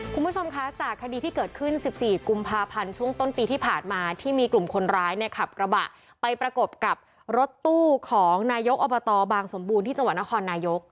คุณผู้ชมคะจากคดีที่เกิดขึ้น๑๔กุมภาพันธ์ช่วงต้นปีที่ผ่านมาที่มีกลุ่มคนร้ายเนี่ยขับกระบะไปประกบกับรถตู้ของนายกอบตบางสมบูรณ์ที่จังหวัดนครนายก